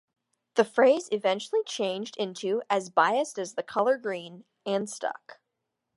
The phrase eventually changed into "as biased as the color green", and stuck.